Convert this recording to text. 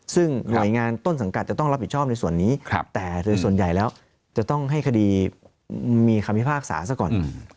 ซึ่งหน่วยงานต้นสังกัดจะต้องรับผิดชอบในส่วนนี้แต่โดยส่วนใหญ่แล้วจะต้องให้คดีมีคำพิพากษาซะก่อน